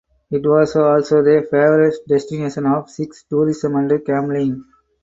It was also the favorite destination of sex tourism and gambling.